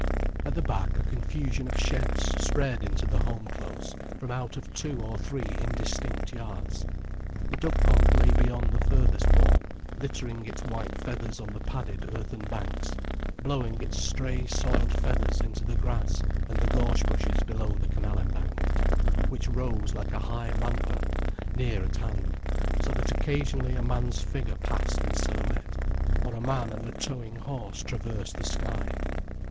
At the back a confusion of sheds spread into the home close from out of two or three indistinct yards. The duck pond lay beyond the furthest wall, littering its white feathers on the padded earthen banks, blowing its stray soiled feathers into the grass and the gorse bushes below the canal embankment, which rose like a high rampart near at hand, so that occasionally a man's figure passed in silhouette, or a man and a towing horse traversed the sky.